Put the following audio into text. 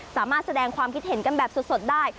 สามารถแสดงความคิดเห็นกันแบบสดได้